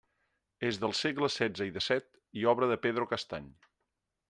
És del segle setze i dèsset i obra de Pedro Castany.